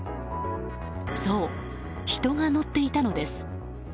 そう、人が乗っていたのです。